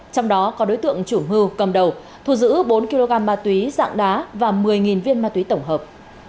trong đó có đối tượng chủ mưu cầm đầu thu giữ bốn kg ma túy dạng đá và một mươi viên ma túy tổng hợp